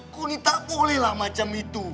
kau ini tak bolehlah macam itu